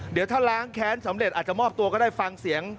เดี๋ยวถ้าล้างแค้นสำเร็จอาจจะมอบตัวก็ได้ฟังเสียง